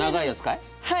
はい。